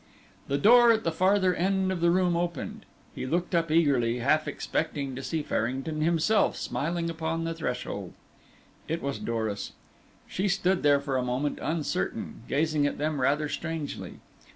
The door at the farther end of the room opened. He looked up eagerly, half expecting to see Farrington himself, smiling upon the threshold. It was Doris. She stood there for a moment, uncertain, gazing at them rather strangely.